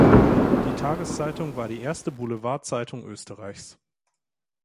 Die Tageszeitung war die erste Boulevardzeitung Österreichs.